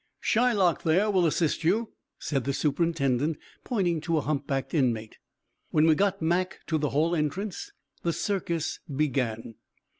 "Shylock there will assist you," said the superintendent, pointing to a hump backed inmate. When we got Mac to the hall entrance the circus began.